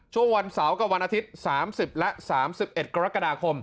วันเสาร์กับวันอาทิตย์๓๐และ๓๑กรกฎาคม